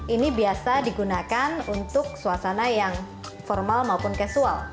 ini biasa digunakan untuk suasana yang formal maupun casual